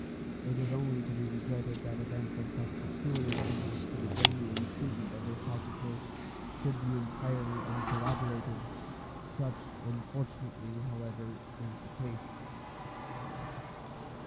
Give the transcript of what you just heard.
It is only to be regretted that events of such peculiar interest to the genuine student of the psychical should be entirely uncorroborated. Such unfortunately, however, is the case.